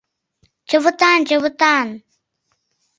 Чывытан, Чывытан!